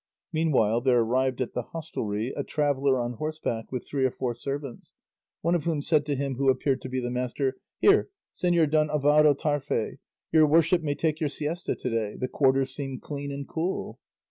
Meanwhile there arrived at the hostelry a traveller on horseback with three or four servants, one of whom said to him who appeared to be the master, "Here, Señor Don Alvaro Tarfe, your worship may take your siesta to day; the quarters seem clean and cool."